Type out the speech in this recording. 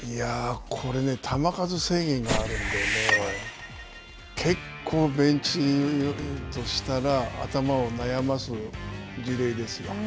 これ、球数制限があるんでね、結構ベンチとしたら、頭を悩ます事例ですよ。